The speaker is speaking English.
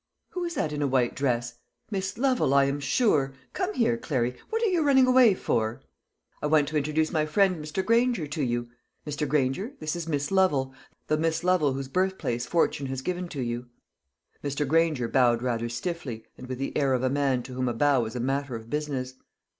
"Who is that in a white dress? Miss Lovel, I am sure. Come here, Clary what are you running away for? I want to introduce my friend Mr. Granger to you. Mr. Granger, this is Miss Lovel, the Miss Lovel whose birthplace fortune has given to you." Mr. Granger bowed rather stiffly, and with the air of a man to whom a bow was a matter of business.